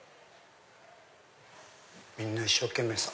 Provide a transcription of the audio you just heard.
みんな一生懸命です。